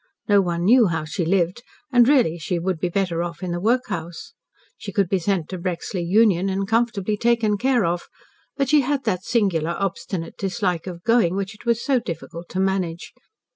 No one knew how she lived, and really she would be better off in the workhouse. She could be sent to Brexley Union, and comfortably taken care of, but she had that singular, obstinate dislike to going, which it was so difficult to manage.